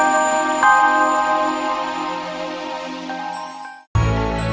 lalu kenapa dia